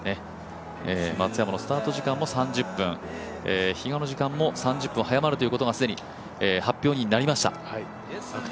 松山のスタート時間も３０分、比嘉の時間も３０分早まることが発表されました。